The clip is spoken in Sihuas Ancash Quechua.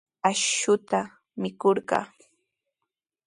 Ñuqa akshuta mikurqaa.